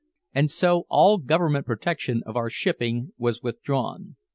And so all government protection of our shipping was withdrawn.